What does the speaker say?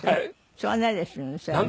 しょうがないですよねそれはね。